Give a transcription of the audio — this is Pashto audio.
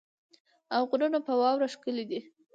او غرونه په واوره ښکلې دي.